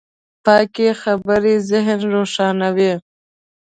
پاکې خبرې ذهن روښانوي.